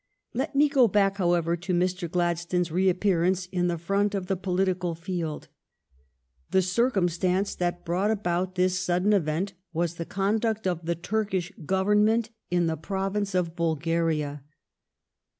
Let me go back, however, to Mr. Gladstone s reappearance in the front of the political field. The circumstance that brought about this sud den event was the conduct of the Turkish Gov ernment in the province of Bulgaria.